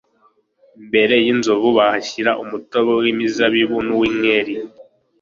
imbere y'inzovu bahashyira umutobe w'imizabibu n'uw'inkeri